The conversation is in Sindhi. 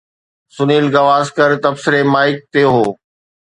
سنيل گواسڪر تبصري مائڪ تي هو.